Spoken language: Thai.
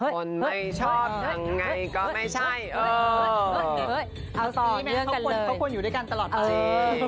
คนนี้แม่งเขาควรอยู่ด้วยกันตลอดไป